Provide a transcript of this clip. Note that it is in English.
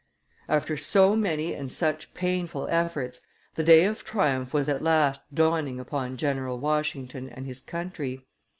After so many and such painful efforts, the day of triumph was at last dawning upon General Washington and his country.